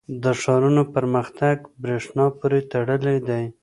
• د ښارونو پرمختګ د برېښنا پورې تړلی دی.